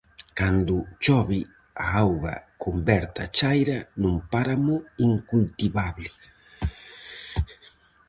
Cando chove, a auga converte a chaira nun páramo incultivable.